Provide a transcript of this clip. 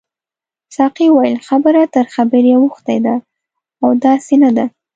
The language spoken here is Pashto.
ساقي وویل خبره تر خبرې اوښتې ده او داسې نه ده.